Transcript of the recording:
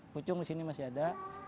pucung di sini masih ada